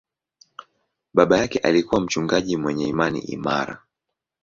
Baba yake alikuwa mchungaji mwenye imani imara.